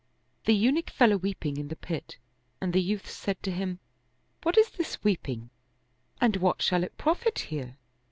The Eunuch fell a weeping in the pit and the youth said to him, "What is this weeping and what shall it profit here?"